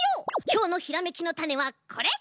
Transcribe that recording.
きょうのひらめきのタネはこれ！